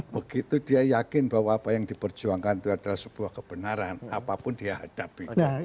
begitu dia yakin bahwa apa yang diperjuangkan itu adalah sebuah kebenaran apapun dia hadapi